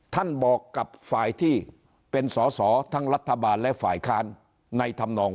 ท่านบอกกับฝ่ายที่เป็นสอสอทั้งรัฐบาลและฝ่ายค้านในธรรมนอง